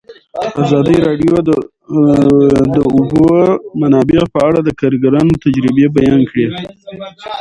ازادي راډیو د د اوبو منابع په اړه د کارګرانو تجربې بیان کړي.